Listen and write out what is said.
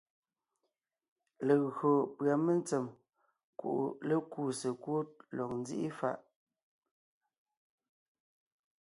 Legÿo pʉ́a mentsèm kuʼu lékúu sekúd lɔg nzíʼi fàʼ,